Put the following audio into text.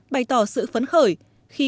bày tỏ sự phấn khởi